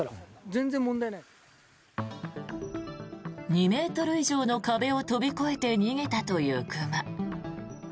２ｍ以上の壁を飛び越えて逃げたという熊。